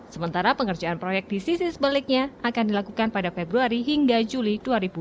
sementara pengerjaan proyek di sisi sebaliknya akan dilakukan pada februari hingga juli dua ribu dua puluh